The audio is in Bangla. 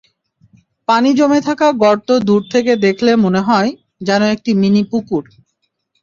পানি জমে থাকা গর্ত দূর থেকে দেখলে মনে হয়, যেন একটি মিনি পুকুর।